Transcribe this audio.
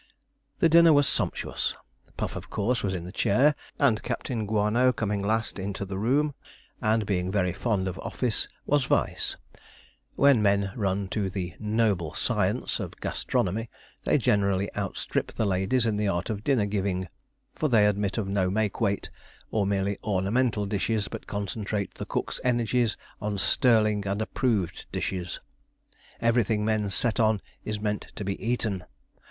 The dinner was sumptuous. Puff, of course, was in the chair; and Captain Guano coming last into the room, and being very fond of office, was vice. When men run to the 'noble science' of gastronomy, they generally outstrip the ladies in the art of dinner giving, for they admit of no makeweight, or merely ornamental dishes, but concentrate the cook's energies on sterling and approved dishes. Everything men set on is meant to be eaten.